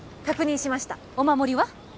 確認しましたお守りは？